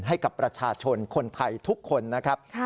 ให้กับประชาชนคนไทยทุกคนนะครับ